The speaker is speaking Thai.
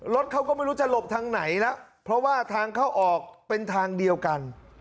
รถเขาก็ไม่รู้จะหลบทางไหนแล้วเพราะว่าทางเข้าออกเป็นทางเดียวกัน